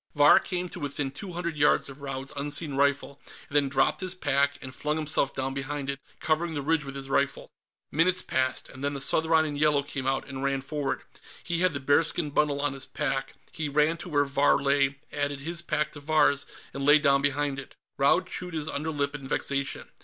Vahr came to within two hundred yards of Raud's unseen rifle, and then dropped his pack and flung himself down behind it, covering the ridge with his rifle. Minutes passed, and then the Southron in yellow came out and ran forward. He had the bearskin bundle on his pack; he ran to where Vahr lay, added his pack to Vahr's, and lay down behind it. Raud chewed his underlip in vexation.